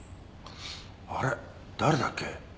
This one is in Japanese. あれ誰だっけ？